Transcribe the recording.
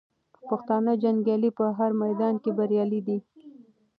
پښتانه جنګیالي په هر میدان کې بریالي دي.